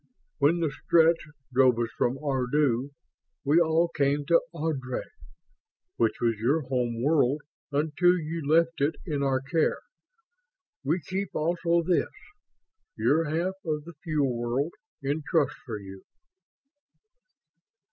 When the Stretts drove us from Ardu, we all came to Ardry, which was your home world until you left it in our care. We keep also this, your half of the Fuel World, in trust for you."